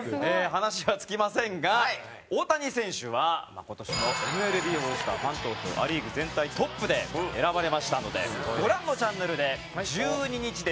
話は尽きませんが大谷選手は今年のＭＬＢオールスターファン投票ア・リーグ全体トップで選ばれましたのでご覧のチャンネルで１２日ですから